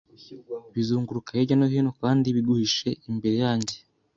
bizunguruka hirya no hino kandi biguhishe imbere yanjye